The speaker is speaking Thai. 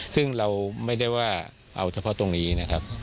ซึ่งเราไม่ได้ว่าเอาเฉพาะตรงนี้นะครับ